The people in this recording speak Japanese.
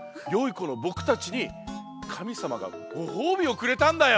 このぼくたちにかみさまがごほうびをくれたんだよ！